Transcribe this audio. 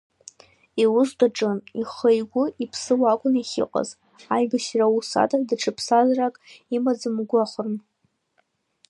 Иус даҿын ихы-игәы иԥсы уакәын иахьыҟаз, аибашьра аус ада даҽа ԥсҭазаарак имаӡам угәахәрын.